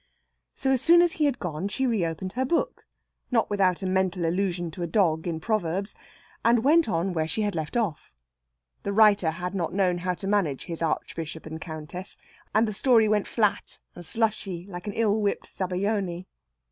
So, as soon as he had gone, she reopened her book not without a mental allusion to a dog in Proverbs and went on where she had left off. The writer had not known how to manage his Archbishop and Countess, and the story went flat and slushy like an ill whipped zabajone.